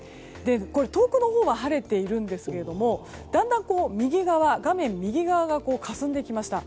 遠くのほうは晴れているんですがだんだん画面右側がかすんできました。